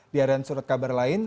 di harian surat kabar lain